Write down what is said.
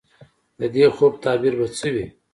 د دې خوب تعبیر به څه وي ؟